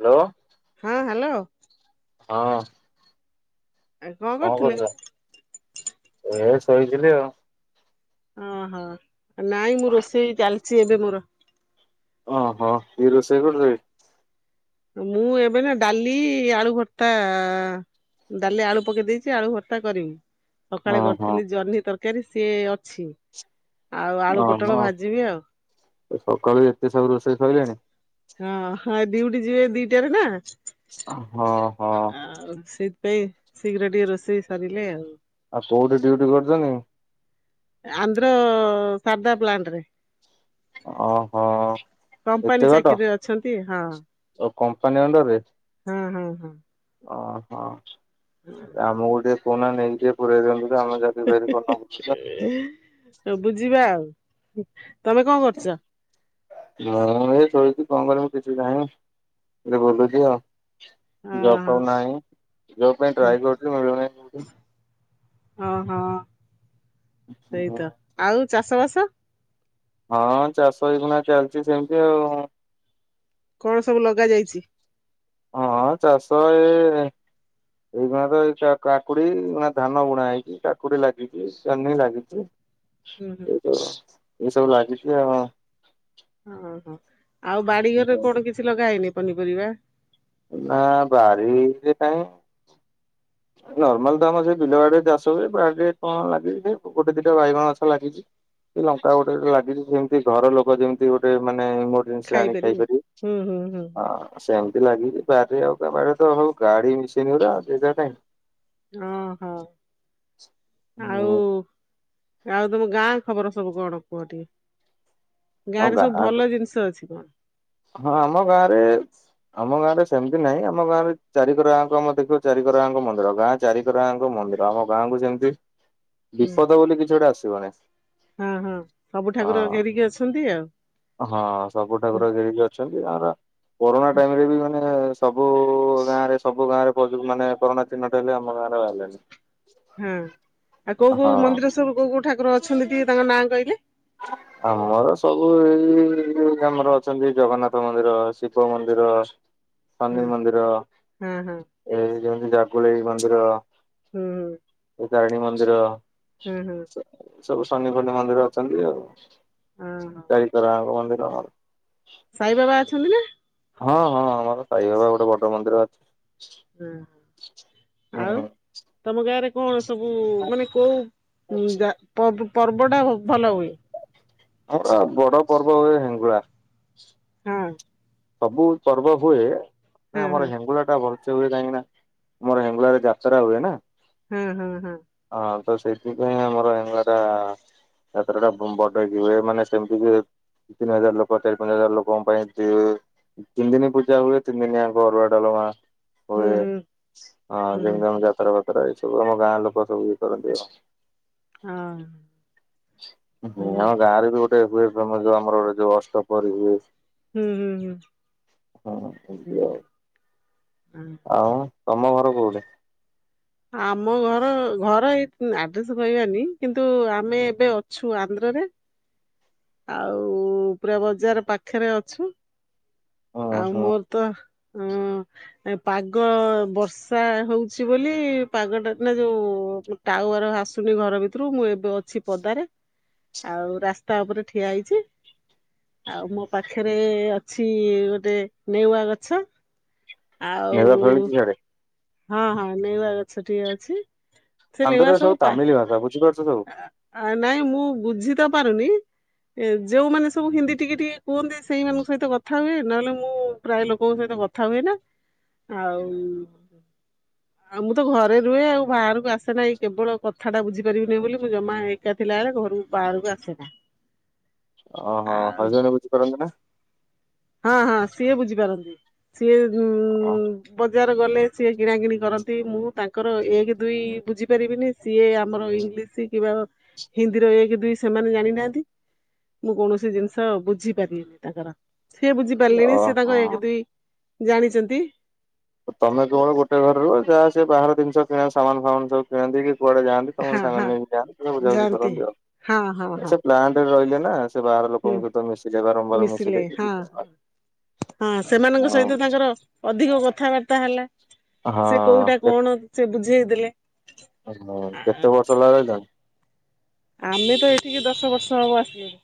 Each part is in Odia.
ହ୍ୟାଲୋ ହଁ ହାଲୋ । ହଁ । ଆଉ କଣ କରୁଥିଲେ କରୁଛ ଏ ଶୋଇଥିଲି ଆଉ । ଓହୋ ନାଇଁ ମୁଁ ରୋଷେଇ ଚାଲିଛି ଏବେ ମୋର । ଓ ହୋ କି ରୋସେଇ କରୁଚ କି? ମୁଁ ଏବେ ନା ଡାଲି ଆଳୁ ଭର୍ତ୍ତା । ଡାଲି ଆଳୁ ପକେଇ ଦେଇଛି ଆଳୁ ଭତ୍ତା କରିବି । ସକାଳେ ଓହୋ କରିଥିଲି ଜହ୍ନି ତରକାରୀ ସିଏ ଅଛି । ଅ ହ ତ ସକାଳୁ ଏତେ ସବୁ ରୋଷେଇ ସଇଲାଣି । ଦିଉଟିି ଯିବେ ଦିଟାରେ ନା । ଅ ହ ହ । ଏ ଶୀଘ୍ର ଟିକେ ରୋଷେଇ ସରିଲେ ଆଉ । ଆଉ କୋଉଠି ଡିଉଟି କରୁଛନ୍ତି? ଆନ୍ଧ୍ର ସାରଦା ପ୍ଲାଣ୍ଟରେ । ଓହୋ କମ୍ପାନୀ ଏତେ ବାଟ ଚାକିରିରେ ଅଛନ୍ତି ହଁ। ଓ କମ୍ପାନୀ ଅଣ୍ଡରରେ । ହୁଁ ହୁଁ । ଓହୋ ଆମକୁ ଟିକେ କହୁନା ନେଇକି ଟିକେ ପୁରେଇ ଦିଅନ୍ତୁ। ତ ଆମେ ଚାକିରି ବାକିରି ହିଁ କରୁନା ହିଁ ବୁଲୁଛୁ। ହିଁ ହେ ବୁଝିବା ଆଉ । ତମେ କଣ କରୁଛ? ମୁଁ ଏ ଶୋଇଛି କଣ କରିମି କିଛି ନାହିଁ ଏଠି ବୁଲୁଛି ଆଉ । ଜବ ଫବ ଓହୋ ନାହିଁ ଜବ ପାଇଁ ଟ୍ରାଏ କରୁଚି ମିଳୁନି କୋଉଠି । ହଁ ହଁ ସେଇତ ଆଉ ଚାଷ ବାସ । ହଁ ଚାଷ ଏଇଗୁଣା ଚାଲିଛି ସେମିତି ଆଉ । କଣ ସବୁ ଲଗା ଯାଇଛି? ହଁ ଚାଷ ଏ । ଏଇଖିଣା ତ ଏଇ କା କାକୁଡି ଏଇନା ଧାନ ବୁଣା ହେଇଛି କାକୁଡି ଲାଗିଛି ଜହ୍ନି ଲାଗିଛି । ହୁଁ ହୁଁ । ଏସବୁ ଲାଗିଛି ଆଉ । ହଁ ହ ଆଉ ବାଡିଘରେ କୋଉଠେ କିଛି ଲଗା ହେଇନି ପନିପରିବା । ନା ବାରି ରେ କାଇଁ । ନର୍ମାଲ ତ ଆମ ସେଇ ବିଲ ବାଡିରେ ଚାଷ ହୁଏ ବାଡିରେ କଣ ଲାଗିଛି ଗୋଟେ ଦିଟା ବାଇଗଣ ଗଛ ଲାଗିଛି । ସେ ଲଙ୍କା ଗୋଟେ ଗୋଟେ ଲାଗିଛି ଜେମିତି ଘର ଲୋକ ଯେମିତି ଗୋଟେ ମାନେ । ନାଇ ଗୋଟେ ଜିନିଷ ଆଣି ଖାଇ ଖାଇପାରିବେ? ପାରିବେ ହୁଁ ହୁଁ ହୁଁ ହୁଁ। ହଁ ସେମିତି ଲାଗିଚି । ବାରି ରେ ଆଉ କାଇଁ ବାଡି ରେ ତ ସବୁ ଗାଡି ମିସିନି ଗୁଡା ଆଉ ଜେଗା କାଇଁ । ଅ ହୋ ଆଉ ହୁଁ । ଆଉ ତମ ଗାଁ ଖବର ସବୁ କଣ କୁହ ଟିକେ । ଗାଁ ରେ ସବୁ ଭଲ ଜିନିଷ ଅଛି କଣ? ହଁ ଆମ ଗାଁରେ । ଆମ ଗାଁରେ ସେମିତି ନାହିଁ ଆମ ଗାଁରେ ଚାରିକର ଯାଙ୍କ ଆମର ଦେଖିବ ଚାରିକରଆଙ୍କ ମନ୍ଦିର ଗାଁ ଚାରିକରଆଙ୍କ ମନ୍ଦିର । ମନ୍ଦିର ଆମ ଗାଁ କୁ ସେମିତି ବିପଦ ବୋଲି କିଛି ଗୋଟେ ଆସିବନି । ହୁଁ ହୁଁ ସବୁ ଠାକୁର ଘେରିକି ଅଛନ୍ତି ଆଉ ହଁ ସବୁ । ଠାକୁର ଘେରିକି ଅଛନ୍ତି ଆମର କୋରୋନା ଟାଇମରେ ବି ମାନେ । ସବୁ ଗାଁରେ ସବୁ ଗାଁରେ ପ ମାନେ କରୋନା ଚିହ୍ନଟ ହେଲେ ଆମ ଗାଁ ରେ ବାହାରିଲେନି। ହୁଁ ଆଉ କୋଉ ହଁ କୋଉ ମନ୍ଦିର ସବୁ କୋଉ କୋଉ ଠାକୁର ଅଛନ୍ତି ଟିକେ ତାଙ୍କ ନାଁ କହିଲେ । [inaudible] ଆମର ସବୁ ଏଇ ଆମର ଅଛନ୍ତି ଜଗନ୍ନାଥ ମନ୍ଦିର, ଶିବ ମନ୍ଦିର ହଁ ଶନି ମନ୍ଦିର ହଁ ହଁ ଏଇ ଯେମତି ଜାଗୁଳେଇ ମନ୍ଦିର । ହୁଁ। ତାରିଣୀ ମନ୍ଦିର । ହୁଁ ହୁଁ। ସବୁ ସନି [unintelligible] ମନ୍ଦିର ଅଛନ୍ତି ଆଉ ଚାରିକର ଆଙ୍କ ମନ୍ଦିର। ସାଇ ବାବା ଅଛନ୍ତି ନା? ହଁ ହଁ ଆମର ସାଇ ବାବା ଗୋଟେ ବଡ଼ ମନ୍ଦିର ଅଛି। ହୁଁ ଆଉ ହୁଁ। ତମ ଗାଁରେ କଣ ସବୁ ମାନେ କୋଉ ଯା ପର୍ବ ପର୍ବଟା ଭଲ ହୁଏ? ବଡ଼ ପର୍ବ ହୁଏ ହେଙ୍ଗୁଳା। ହଁ। ସବୁ ପର୍ବ ହୁଏ ହଁ ଆମର ହଁ ହେଙ୍ଗୁଳା ଟା ବ ହୁଏ କାହିଁକି ନା ଆମର ହେଙ୍ଗୁଲା ରେ ଯାତ୍ରା ହୁଏ ନା। ହୁଁ ହୁଁ ହୁଁ। ହଁ ତ ସେଥିପାଇଁ ଆମର ହେଙ୍ଗୁଳା ଟା ଯାତ୍ରା ଟା ବଡ଼ ହେଇକି ହୁଏ ମାନେ ସେମିତି କି ତିନି ହଜାର ଲୋକ ଚାରି ପାଞ୍ଚ ହଜାର ଲୋକଙ୍କ ପାଇଁ ଷ୍ଟେ ତିନି ଦିନି ପୂଜା ହୁଏ ତିନ ଦିନିଆଙ୍କ ଅରୁଆ ଡ଼ାଲମା ହୁଁ [unintelligible] ହଁ ହୁଁ ହୁଁ ହୁଁ [unintelligible] ଯାତ୍ରା ଏ ସବୁ ଆମ ଗାଁ ଲୋକ ସବୁ ଇଏ କରନ୍ତି ଆଉ। ହଁ। ହୁଁ ହଁ ଗାଁ ରେ [unintelligible] ହୁଏ ହୁଏ ଯୋଉ ଆମର ଗୋଟେ ଯୋଉ ଅଷ୍ଟପ୍ରହରୀ ହୁଏ। ହୁଁ ହୁଁ। ହଁ ହୁଁ [unintelligible] ହୁଁ। ଆଉ ତମ ଘର କୋଉଠି? ଆମ ଘର ଘର ଏଇ ଆଡ୍ରେସ୍ କହିବାନି କିନ୍ତୁ ଆମେ ଏବେ ଅଛୁ ଆନ୍ଧ୍ର ରେ। ଆଉ ପୁରା ବଜାର ପାଖରେ ଅଛୁ। ହୁଁ ଆଉ ହୁଁ ମୋର ତ ହଁ। ପାଗ ବର୍ଷା ହଉଛି ବୋଲି ପାଗଟା ନା ଯୋଉ ଟାୱାର ଆସୁ ଯାଇନି ଘର ଭିତରୁ ମୁଁ ଏବେ ଅଛି ପଦାରେ ଆଉ ରାସ୍ତା ଉପରେ ଠିଆ ହେଇଚି। ଆଉ ମୋ ପାଖରେ ଅଛି ଗୋଟେ ନେଉଆ ଗଛ। ଆଉ ମେଳା ଫେଳୁଛି ସିଆଡେ ହଁ ହଁ ନେଉଆ ଗଛ ଟିଏ ଅଛି। ସେ ନେଉଆ ଆନ୍ଧ୍ରରେ ସବୁ ପା ତାମିଲ୍ ଭାଷା ବୁଝିପା ନାଇଁ ମୁଁ ବୁଝି ତ ପାରୁନି। ଏ ଯୋଉମାନେ ସବୁ ହିନ୍ଦୀ ଟିକେ ଟିକେ କୁହନ୍ତି ସେଇମାନଙ୍କ ସହିତ କଥା ହୁଏ ନହେଲେ ମୁଁ ପ୍ରାୟ ଲୋକଙ୍କ ସହିତ କଥା ହୁଏ ନା ଆଉ ଆଉ ମୁଁ ତ ଘରେ ରୁହେ ଆଉ ବାହାରକୁ ଆସେ ନାହିଁ କେବଳ କଥାଟା ବୁଝିପାରିବି। ଶୁଣିବେ ବୋଲି ମୁଁ ଜମା ଏକାଥିଲା ବେଳେ ଘରୁ ବାହାରକୁ ଆସେ [unintelligible] ଓହୋ ହରିଜନ ବୁଝିପାରନ୍ତି ନା। ହଁ ହଁ ସିଏ ବୁଝିପାରନ୍ତି ସିଏ ଓହୋ ବଜାର ଗଲେ ସିଏ କିଣାକିଣି କରନ୍ତି ମୁଁ ତାଙ୍କର ଏକ ଦୁଇ ବୁଝିପାରିବିନି ସିଏ ଆମର ଇଂଲିଶ୍ କି ବା ହିନ୍ଦୀର ଏକ ଦୁଇ ସେମାନେ ଜାଣିନାହାନ୍ତି। ମୁଁ କୌଣସି ଜିନିଷ ବୁଝି ପାରିବିନି ତାଙ୍କର। ସେ ବୁଝିପାରିଲେଣି ସେ ତାଙ୍କ ଏକ ଦୁଇ ଜାଣିଛନ୍ତି। ତମେ କେବଳ ଗୋଟେ ଘରେ ରୁହ ଯାହା ସିଏ ବାହାର ଜିନିଷ କିଣା ସାମାନ୍ ଫମାନ୍ ସବୁ କିଣନ୍ତି [unintelligible] କୁଆଡ଼େ ଯାଆନ୍ତି ତମକୁ ହଁ ସାଙ୍ଗରେ ହଁ ନେଇକ ଯାଆନ୍ତି ବୁଝାବୁଝି ଜାଣନ୍ତି। କରନ୍ତି ଆଉ ହଁ ହଁ ହଁ ସେ ପ୍ଲାଣ୍ଟ୍ ରେ ରହିଲେ ନା ବାହାର ହୁଁ ଲୋକଙ୍କଙ୍କୁ ତ ମିଶିଲେ ବାରମ୍ବାର ମିଶିଲେ ହଁ, ସେମାନଙ୍କ ହଁ ସହିତ ତାଙ୍କର ଅଧିକ କଥାବାର୍ତ୍ତା ହେଲା ସେ କୋଉଟା ହଁ କଣ ସେ ବୁଝେଇ ଦେଲେ କେତେ ବର୍ଷ ହେଲା ର ଆମେ ତ ଏଠିକି ଦଶ ବର୍ଷ ହବୁ ଆସିଚୁ।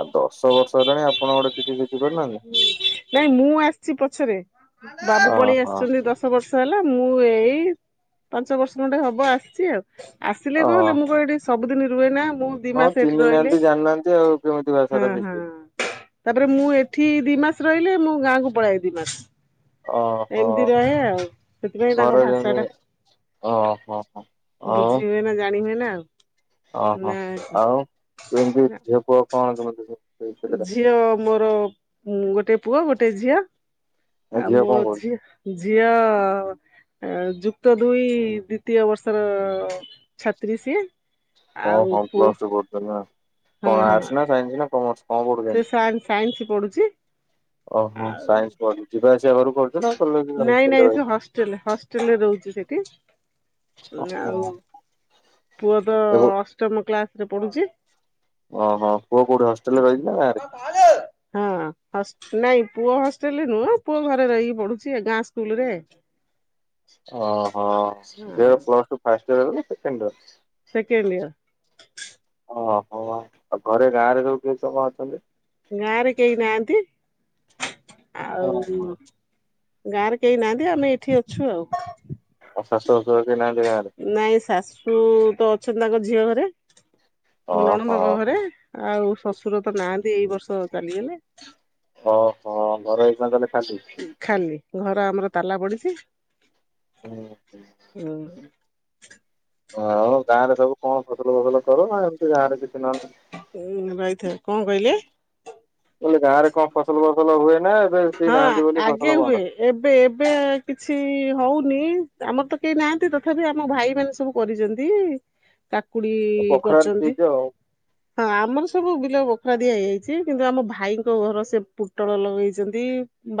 ଆଉ ଦଶ ବର୍ଷ ହେଲାଣି ଆପଣ ଗୋଟେ କିଛି ପାରୁନାହାନ୍ତି [inaudible] ନାଇଁ ମୁଁ ଆସିଛି, ପଛରେ ବାବୁ ପଳେଇ ଓହୋ ଆସିଛନ୍ତି ଦଶ ବର୍ଷ ହେଲା ମୁଁ ଏଇ ପାଞ୍ଚ ବର୍ଷ ଖଣ୍ଣ୍ଡେ ହବ ଆସିଛି ଆଉ, ଆସିଲେ ଓ କହଲେ ମୁଁ କହିଲ ଏଠି ସବୁଦିନ ରୁହେ ନା ମୁଁ ଦି ହଁ ମାସ ଏଠି ଚିହ୍ନି ରହିଲେ ନାହାନ୍ତି ଜାଣିନାହାନ୍ତି ଆଉ କେମିତି ହଁ, ଭାଷାଟା ହଁ ଶିଖିବେ ତାପରେ ମୁଁ ଏଠି ଦି ମାସ ରହିଲେ ମୁଁ, ଗାଁକୁ ପଳେଇଏ ଦି ମାସ। ଓହୋ। ଏମିତି ରହେ ଆଉ ସେଥିପାଇଁ ତାଙ୍କ ଘରେ ଭାଷା ଟା ଯେମିତି ଓହୋ ହୋ ଆଉ ବୁଝି ହୁଏ ନା ଜାଣି ହୁଏ ନା ଆଉ ଓହୋ ନା ଆଉ ଏମିତି ଝିଅ ପୁଅ କଣ କେମିତି? କେତେଟା ଝିଅ ମୋର ଗୋଟେ ପୁଅ, ଗୋଟେ ଝିଅ ଆଉ ଝିଅ ମୋ କଣ କରୁଛି? ଝିଅ ଝିଅ ଆ ଯୁକ୍ତ ଦୁଇ ଦ୍ଵିତୀୟ ବର୍ଷର ଛାତ୍ରୀ ସିଏ। ଓ ଆଉ ହଁ ପୁଅ ପ୍ଲସ ଟ କରୁ ନା, ହଁ ହଁ ଆର୍ଟ ନା, ସାଇନ୍ସ ନା, କମର୍ସ? କଣ ସେ ପଢୁଛନ୍ତି? ସାଇନ୍ସ ପଢୁଛି, ଓହୋ ଆଉ ସାଇନ୍ସ ପଢୁଛି ଯିବା ଆସିବା ଘରକୁ କରୁଛ ନା କଲେଜ ନାଇଁ ନାଇଁ ହଷ୍ଟେଲରେ ସେ ରହିକି ହଷ୍ଟେଲ ହଷ୍ଟେଲରେ ରହୁଛି, ସେଠି ଆଉ ପୁଅ ତ ଓହୋ ଅଷ୍ଟମ କ୍ଲାସ ରେ ପଢୁଛି। ଓହୋ ପୁଅ କୋଉଠି ହଷ୍ଟେଲରେ ରହିଛି ନା ହଁ ନାଇଁ ପୁଅ ହଷ୍ଟେଲରେ ନୁହଁ, ପୁଅ ଘରେ ରହିକି ପଢୁଛି ଗାଁ ସ୍କୁଲ ରେ ଓହୋ। ସେକେଣ୍ଡ ଇୟର ଓହୋ ଆଉ ଘରେ ଗାଁ ରେ ସଉ କେ ସମୟ ଅଛନ୍ତି? ଗାଁ ରେ କେହି ନାହାନ୍ତି, ଆଉ ଓହୋ। ଗାଁରେ କେହି ନାହାନ୍ତି, ଆମେ ଏଇଠି ଅଛୁ ଆଉ। ଶଶୁ, [unintelligible] କେହି ନାହାନ୍ତି ଗାଁ ରେ? ତୁ ତ ଅଛନ୍ତି ତାଙ୍କ ଝିଅ ଘରେ, ଆମ ଓହୋ ନଣମାଙ୍କ ଘରେ ଆଉ ଶ୍ୱଶୁର ତ ନାହାନ୍ତି, ଏଇ ବର୍ଷ ଚାଲିଗଲେ ଓଁ ହଁ ଘରେ ହେଇ ଗଲେ ଖାଲି ଘର ଆମର ତାଲା ପଡିଛି। ହୁଁ ହୁଁ। ହ ଆ ଗାଁ ରେ ସବୁ କଣ ଫସଲ ଫସଲ କର ନା ଏମିତି ଗାଁରେ କିଛି ନହେଲେ ଉଁ ରହିଥା କଣ କହିଲେ? ହେଲେ ଗାଁ ରେ କଣ ଫସଲ ଫସଲ ହୁଏ? ନା ଏବେ କେହି ହଁ ନାହାନ୍ତି ବୋଲି ଫସଲ ଆଗେ ହୁଏ, ବନ୍ଦ? ଏବେ ଏବେ କିଛି ହଉନି। ଆମର ତ କେହି ନାହାନ୍ତି, ତଥାପି ଆମ ଭାଇ ମାନ ସବୁ କରିଛନ୍ତି ତାକୁ କଡି ବଖରାରେ କରିଛନ୍ତି, ଦେଇଚ ଆଉ। ହଁ ଆମର ସବୁ ପୋଖରା ଦିଆ ହେଇଯାଇଛି, କିନ୍ତୁ ଆମ ଭାଇଙ୍କ ଘର ସେ ପୋଟଳ ଲଗେ ଇଛନ୍ତି,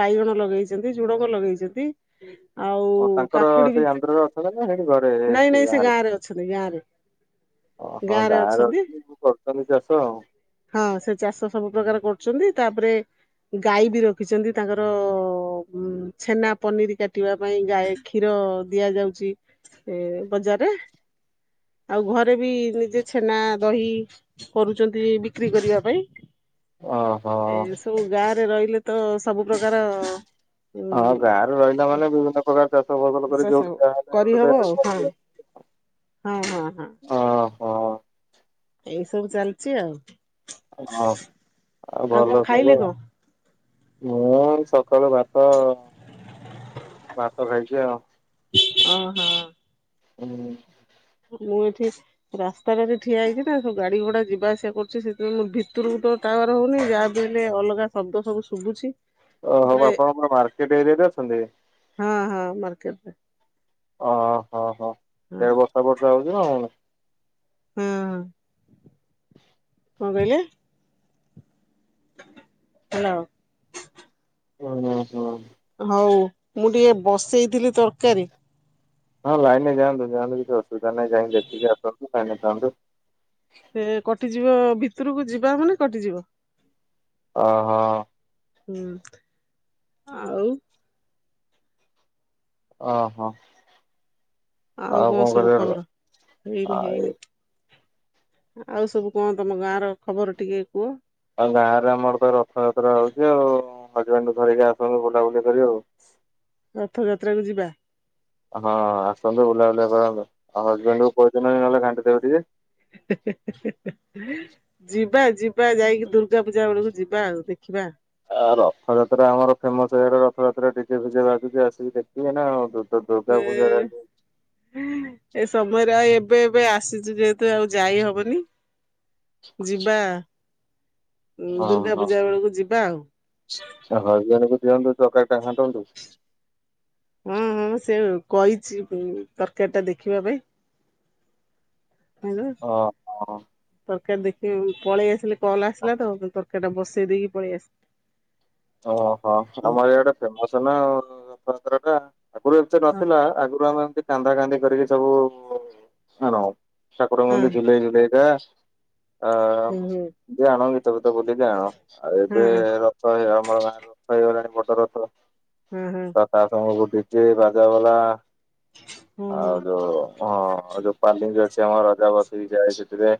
ବାଇଗଣ ଲଗେଇଛନ୍ତି, ଝୁଡକ ଲଗେଇଛନ୍ତି ଆଉ ଓ ତାଙ୍କର କାକୁଡି ବି, ସେଇ ଆନ୍ଧ୍ରରେ ଅଛନ୍ତି ନା ସେଇଠି ଘରେ ନାଇଁ ଏଠି ନାଇଁ ସେ ଗାଁରେ ଅଛନ୍ତି, ଗାଁରେ ଓହୋ ଗାଁରେ ଅଛନ୍ତି, କରୁଛନ୍ତି ଚାଷ ଆଉ ହଁ ସେ ଚାଷ ସବୁ ପ୍ରକାର କର ଛନ୍ତି, ତାପରେ ଗାଈ ବି ରଖ ରଖିଛନ୍ତି, ତାଙ୍କର ଛେନା ପନିର କାଟିବା ପାଇଁ ଗାଈ କ୍ଷୀର ଦିଆଯାଉ ଏ ବଜାରରେ ଆଉ ଘରେ ବି ନିଜେ ଛେନା ଦହି କରୁଛନ୍ତି, ବିକ୍ରି କରିବା ପାଇଁ। ଓ ହୋ। ଏ ସବୁ ଗାଁ ରହିଲେ ତ ସବୁ ପ୍ରକାର ଉ ହଁ ଗାଁ ରେ ରହିଲା ମାନେ ବିଭିନ୍ନ ପ୍ରକାର ଚାଷ ଫସଲ କରି ଚାଷ ଯୋଉଠି କରିହବ ଆଉ ହଁ ଯାହାଲେ ହଁ ହଁ ହଁ ଓହୋ ଏଇ ସବୁ ଚାଲିଛି ଆଉ ହଁ ଆ ଆଉ କଣ ଖାଇଲେ ଭଲବ କଣ ମୁଁ ସକାଳୁ ଭାତ ଭାତ ଖାଇଛି ଆଉ ଓହୋ ହୁଁ ମୁଁ ଏଠି ରାସ୍ତାଟାରେ ଠିଆ ହେଇଛି ନା ସବୁ ଗାଡି ଘୋଡା ଯିବା ଆସିବା କରୁଛି ସେଥିାଇଁୋ ଭିତରକୁ ତ ହଉନି ଯାହା ବିହଲେ ଅଲଗା ଶବ୍ଦ ସବୁ ଶୁଭୁଛି ଓ ହଉ ବା ପୁରା ଆପଣଙ୍କର ମାର୍କେଟ ଏରିଆ ଦେ ଅଛନ୍ତି ହଁ ହଁ ମାର୍କେଟରେ ଓ ହୋ ହୋ ହଁ ସେ ବର୍ଷା ବର୍ଷା ହଉଛି ନା ହଁ ହ ହ୍ୟାଲୋ ହୁଁ ହୁଁ ହୁଁ ହଉ ମୁଁ ଟିକେ ବସେଇଥିଲି ତରକାରୀ ହଁ ଲାଇନ ଯାଆନ୍ତୁ ଯାଆନ୍ତୁ କିଛି ଅସୁବିଧା ନାହିଁ ଯାଇକି ଦେଖିକି ଆସନ୍ତୁ ଲାଇନ ଯାଆନ୍ତୁ ସେ କଟିଯିବ ଭିତରକୁ ଯିବା ମାନେ କଟିଯିବ ଓ ହଁ ହୁଁ ଆଉ ଓ ହୋ ଆଉ କଣ ସବୁ ଖବର ହେଇନି ହେଇନି ଆଉ ଆଉ ସବୁ କଣ ତମ ଗାଁ ର ଖବର ଟିକେ କୁହ ଆଉ ଗାଁ ରେ ଆମର ତ ରଥଯାତ୍ରା ହଉଛି ଆଉ ହଜବେଣ୍ଡକୁୁ ଧରିକି ଆସନ୍ତୁ ବୁଲାବୁଲି କରି ଆଉ ରଥଯାତ୍ରାକୁ ଯିବା ହଁ ଆସନ୍ତୁ ବୁଲାବୁଲିଆ କରନ୍ତୁ ଆଉ ହଜବେଣ୍ଡ କୁ କହିଦ ନହେଲେ କାଣ୍ଟି ଦେବ ଟିକେ [inaudible] ଯିବା ଯିବା ଯାଇକି ଦୁର୍ଗା ପୂଜା ବେଳକୁ ଯିବା ଆଉ ଦେଖିବା ଆଉ ରଥଯାତ୍ରା ଆମର ଫେମସ ଏଇଡା ରଥଯାତ୍ରା ଡିଜେ ଫଜେ ଭାଗୁଛି ଆସିକି ଦେଖିକି ନାଉ ହ ସମୟରେ ଆଉ ଏବେ ଏବେ ଆସିଛୁ ଯେହେତୁ ଆଉ ଯାଇ ହବନି ଯିବା ହଁ ଦୁର୍ଗା ହଁ ପୂଜା ବେଳକୁ ଯିବା ଆଉ। ହ ଦିଅନ୍ତୁ ଚରକାରୀ ଟା ଖାଣ୍ଟନ୍ତୁ ହଁ ହଁ ମୁଁ ସେ କହିଛି ତରକାର ଟା ଦେଖିବା ପାଇଁ ହେଲା। ଓ ହ ତରକାରୀ ଦେଖି ପଳେଇ ଆସିଲେ କଲ୍ ଆସିଲା ତ ତରକାରୀ ଟା ବସେଇ ଦେଇକି ପଳେଇ ଆସିଲି ଓହୋ ଆମର ଏଇଟା ଫେମସ ନା୍ର ଟା ଆଗରୁ ଏତି ହଁ ନଥିଲା ଆଗରୁ ଆମେ ଏମତି କାନ୍ଦା କାନ୍ଦି କରିକି ସବୁଉ ହଁ ସକଡ଼ଙ୍ଗି ଜୁଲାଇ ଜୁଲାଇ ଦ ଅ ହୁଁ ହୁଁ ଜାଣ ଗୀତ ଫୀତ ବୁଲି ଆଣ ଆଉ ଏବେ ହଁ ରଥ ହେଇଆ ରଥ ହେଇଗଲାଣି ବଟ ରଥ ହଁ ହଁ ତା ସଙ୍ଗ ବୁଡିଛିେ ବାଜା ବାଲା ହଁ ଆଉ ଯୋଉ ହଁଉ ଯୋଉ ପାଲିଙ୍ଗ ଅଛି ଆମ ରଜା ବାସ ଯାଇ ରେ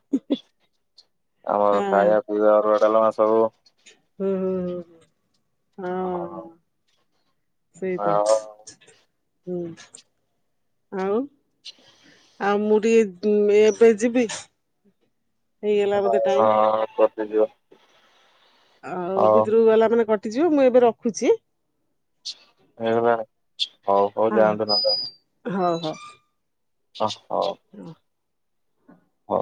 ହଁ ଆମର ହଁ। ଖାଇବା ପିଇବା ରଡେଲ ମା ସବୁ ହୁଁ ହୁଁ ହୁଁ ହୁଁ ହଁ ସେଇତ ହଁ ହୁଁ ଆଉ ଛ ଆଉ, ମୁଁ ଟିକେ ଇଁ ଏବେ ଯିବି। ହେଇଗଲା ବୋଧେ ଟାଇମ ହାଲୋଁ-ଅଁ କଟିଯିବ। ଆଉ ହଉ ଭିତରକୁ ଗଲା ମାନେ କଟିଯିବ। ମୁଁ ଏବେ ରଖୁଛି। ଏଇଟା ତାହେଲେ, ହଉ ହଉ ଯାଆନ୍ତୁ ନ ହେଲେ। ହ। ହ ହଉ। ହୁ। ହ।